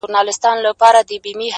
له دېيم کور چي شپېلۍ ورپسې پوُ کړه!